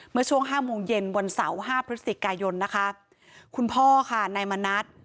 เมื่อช่วงห้าโมงเย็นวันเสาร์ห้าพฤศจิกายนนะคะคุณพ่อค่ะนายมณัฐ